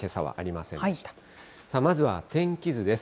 まずは天気図です。